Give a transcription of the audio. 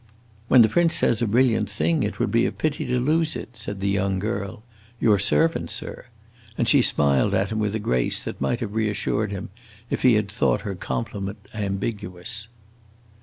"When the prince says a brilliant thing, it would be a pity to lose it," said the young girl. "Your servant, sir!" And she smiled at him with a grace that might have reassured him, if he had thought her compliment ambiguous.